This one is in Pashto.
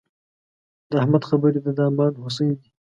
د احمد خبرې د دامان هوسۍ دي.